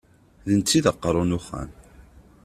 D netta i d aqerru n uxxam.